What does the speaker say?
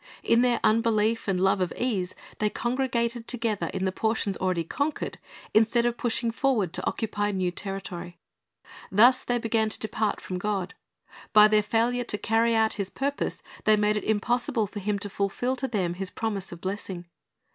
In their unbelief and love of ease, they congregated together in the portions already conquered, instead of pushing forward to occupy new terri tory. Thus they began to depart from God. By their failure to carry out His purpose, they made it impossible for Him to fulfil to them His promise of blessing.